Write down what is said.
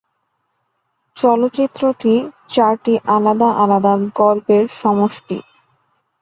চলচ্চিত্রটি চারটি আলাদা আলাদা গল্পের সমষ্টি।